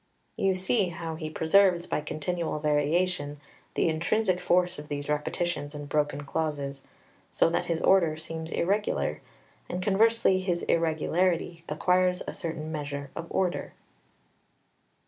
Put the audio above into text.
You see how he preserves, by continual variation, the intrinsic force of these repetitions and broken clauses, so that his order seems irregular, and conversely his irregularity acquires a certain measure of order.